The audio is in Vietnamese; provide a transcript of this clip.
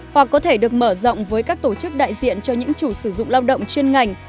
hoặc có thể được mở rộng với các tổ chức đại diện cho những chủ sử dụng lao động chuyên ngành